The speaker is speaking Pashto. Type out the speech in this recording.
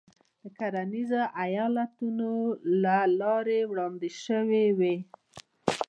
د کرنیزو ایالتونو له لوري وړاندې شوې وې.